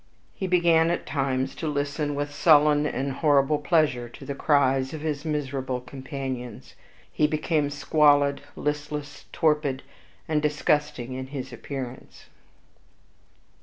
He began at times to listen with sullen and horrible pleasure to the cries of his miserable companions. He became squalid, listless, torpid, and disgusting in his appearance.